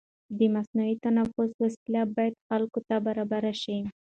د مصنوعي تنفس وسایل باید خلکو ته برابر شي.